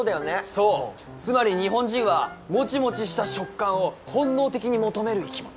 そうつまり日本人はモチモチした食感を本能的に求める生き物